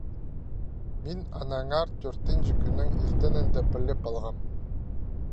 Мин аннаңар тӧртінҷі кӱннің иртенінде піліп алғам: